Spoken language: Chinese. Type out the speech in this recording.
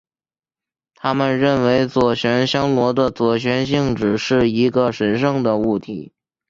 他们认为左旋香螺的左旋性质是一个神圣的物体。